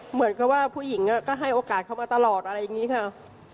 เหมือนกับว่าผู้หญิงก็ให้โอกาสเขามาตลอดอะไรอย่างนี้ค่ะ